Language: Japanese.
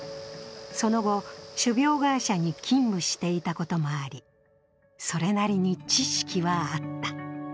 その後、種苗会社に勤務していたこともあり、それなりに知識はあった。